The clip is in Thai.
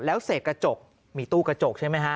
แล้วเสกกระจกมีตู้กระจกใช่ไหมฮะ